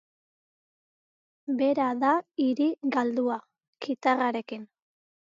Bera da hiri galdua, kitarrarekin.